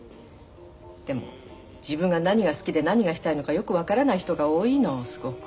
でも自分が何が好きで何がしたいのかよく分からない人が多いのすごく。